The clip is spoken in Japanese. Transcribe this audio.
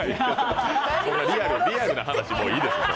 リアルな話もういいですから。